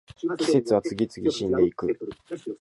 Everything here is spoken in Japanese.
季節は次々死んでいく